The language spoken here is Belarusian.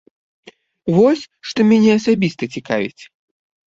Вось, што мяне асабіста цікавіць.